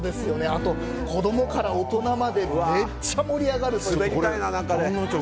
あと、子供から大人までめっちゃ盛り上がる。